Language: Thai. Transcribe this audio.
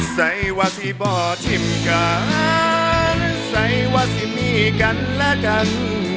ใส่ว่าที่บ่อทิมกันใส่ว่าสิมีกันและกัน